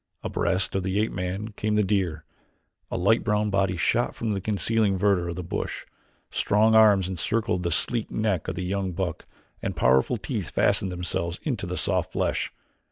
Abreast of the ape man came the deer; a light brown body shot from the concealing verdure of the bush, strong arms encircled the sleek neck of the young buck and powerful teeth fastened themselves in the soft flesh.